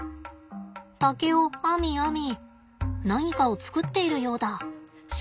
竹を編み編み何かを作っているようだ。